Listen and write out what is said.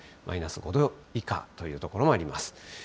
マイナス５度以下という所もあります。